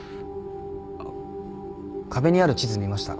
あっ壁にある地図見ました？